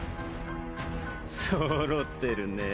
そろってるね。